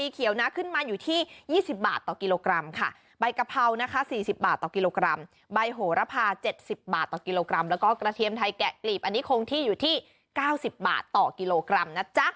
เขียวนะขึ้นมาอยู่ที่๒๐บาทต่อกิโลกรัมค่ะใบกะเพรานะคะ๔๐บาทต่อกิโลกรัมใบโหระพา๗๐บาทต่อกิโลกรัมแล้วก็กระเทียมไทยแกะกลีบอันนี้คงที่อยู่ที่๙๐บาทต่อกิโลกรัมนะจ๊ะ